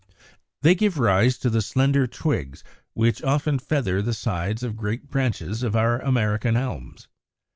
They give rise to the slender twigs which often feather the sides of great branches of our American Elms.